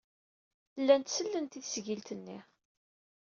Llant sellent i tesgilt-nni.